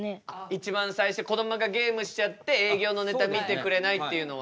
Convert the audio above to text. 一番最初こどもがゲームしちゃって営業のネタ見てくれないっていうのは。